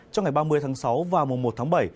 trong ngày ba mươi tháng sáu và mùa một tháng bảy